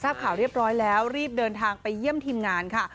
ทราบข่าวเรียบร้อยแล้วรีบเดินทางไปเยี่ยมทีมงานค่ะ